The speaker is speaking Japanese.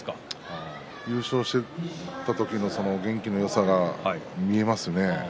優勝していた時の元気のよさが見えますね。